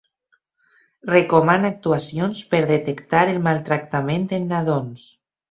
Recomana actuacions per detectar el maltractament en nadons.